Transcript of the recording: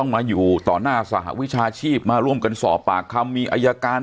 มาอยู่ต่อหน้าสหวิชาชีพมาร่วมกันสอบปากคำมีอายการ